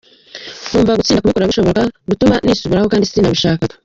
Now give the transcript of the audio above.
Numvaga gutinda kubikora bishobora gutuma nisubiraho kandi sinabishakaga.